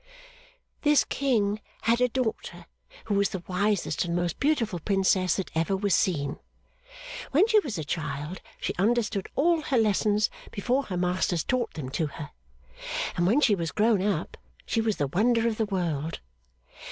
'This King had a daughter, who was the wisest and most beautiful Princess that ever was seen. When she was a child she understood all her lessons before her masters taught them to her; and when she was grown up, she was the wonder of the world.